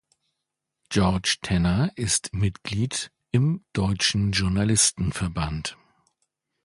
George Tenner ist Mitglied im Deutschen Journalistenverband.